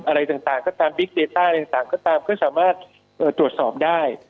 อะไรต่างต่างก็ตามอะไรต่างก็ตามก็สามารถเอ่อตรวจสอบได้